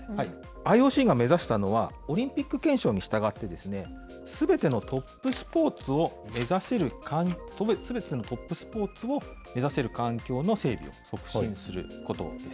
ＩＯＣが目指したのは、オリンピック憲章に従って、すべてのトップスポーツを目指せる環境の整備を促進することです。